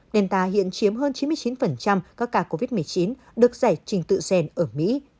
delta hiện chiếm hơn chín mươi chín các ca covid một mươi chín được giải trình tự xèn ở mỹ